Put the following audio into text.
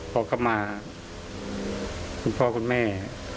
พอกลับมาคุณพ่อคุณแม่